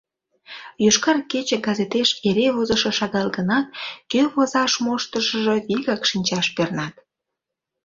«Йошкар кече» газетеш эре возышо шагал гынат, кӧ возаш моштышыжо вигак шинчаш пернат.